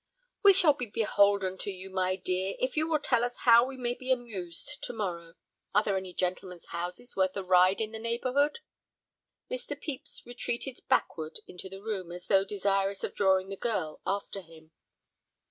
"We shall be beholden to you, my dear, if you will tell us how we may be amused to morrow. Are there any gentlemen's houses worth a ride in the neighborhood?" Mr. Pepys retreated backward into the room as though desirous of drawing the girl after him.